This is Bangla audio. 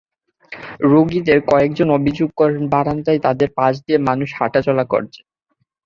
রোগীদের কয়েকজন অভিযোগ করেন, বারান্দায় তাঁদের পাশ দিয়ে মানুষ হাঁটাচলা করছে।